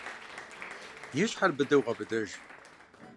И щхьэр быдэу гъэбыдэж.